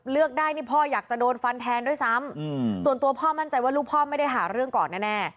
เลือกได้นี่พ่ออยากจะโดนฟันแทนด้วยซ้ำส่วนตัวพ่อมั่นใจว่าลูกพ่อไม่ได้หาเรื่องก่อนแน่